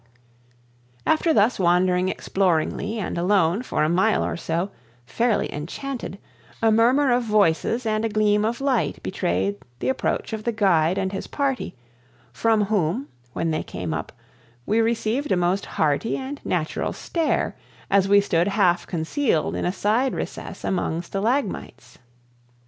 After thus wandering exploringly, and alone for a mile or so, fairly enchanted, a murmur of voices and a gleam of light betrayed the approach of the guide and his party, from whom, when they came up, we received a most hearty and natural stare, as we stood half concealed in a side recess among stalagmites.